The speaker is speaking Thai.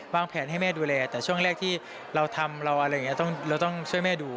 แผนให้แม่ดูแลแต่ช่วงแรกที่เราทำเราอะไรอย่างนี้เราต้องช่วยแม่ดู